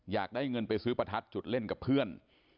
อยากได้เงินไปซื้อประทัดจุดเล่นกับเพื่อน